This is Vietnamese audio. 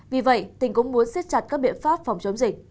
vì vậy tỉnh cũng muốn siết chặt các biện pháp phòng chống dịch